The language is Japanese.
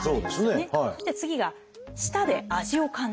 そして次が「舌で味を感じる」。